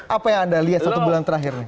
apa yang anda lihat satu bulan terakhir ini